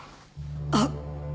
あっ！